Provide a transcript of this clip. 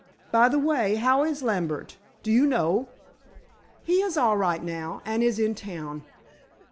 By the way, how is Lambert, do you know?" "He is all right now, and is in town."